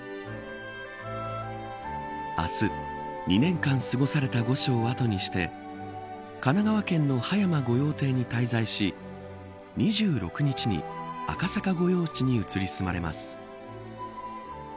明日、２年間過ごされた御所をあとにして神奈川県の葉山御用邸に滞在し２６日に赤坂御用地に移り住まわれます。